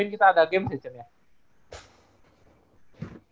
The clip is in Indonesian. kita ada game ya cen ya